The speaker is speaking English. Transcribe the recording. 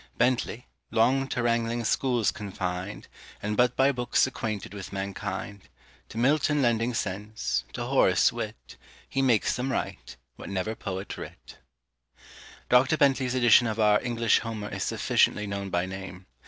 BENTLEY, long to wrangling schools confined, And but by books acquainted with mankind To MILTON lending sense, to HORACE wit, He makes them write, what never poet writ. DR. BENTLEY'S edition of our English Homer is sufficiently known by name.